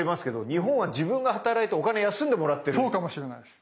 そうかもしれないです。